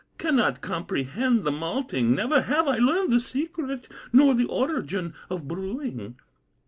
Cannot comprehend the malting, Never have I learned the secret, Nor the origin of brewing."